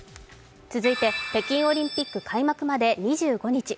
北京オリンピック開幕まで２５日。